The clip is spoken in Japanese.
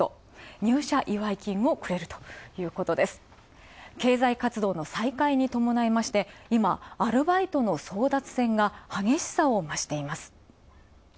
入社祝い金もくれる経済活動の再開に伴いまして、今、アルバイトの争奪戦が激しさをましています。